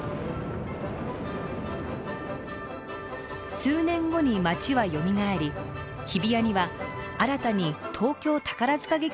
数年後に街はよみがえり日比谷には新たに東京宝塚劇場も造られました。